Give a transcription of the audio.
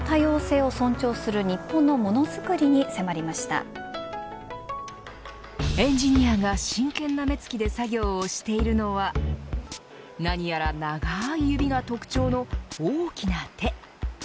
続いてのαｉｓｍも現場の多様性を尊重する日本のエンジニアが真剣な目つきで作業をしているのは何やら長い指が特徴の大きな手。